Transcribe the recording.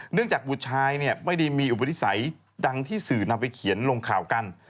จากบุตรชายไม่ได้มีอุปนิสัยดังที่สื่อนำไปเขียนลงข่าวกัน